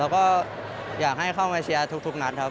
และก็อยากให้เข้ามาเชียร์ทุกนัด